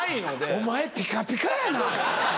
お前ピカピカやな。